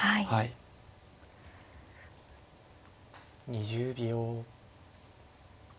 ２０秒。